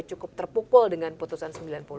cukup terpukul dengan putusan sembilan puluh